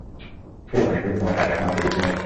এই, অনেক হয়েছে তোমার কাজ, এখন আমাকে ঘুরতে নিয়ে যাও।